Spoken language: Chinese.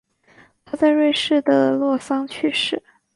他在瑞士的洛桑去世。